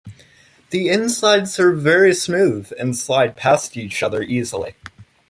The insides are very smooth and slide past each other easily.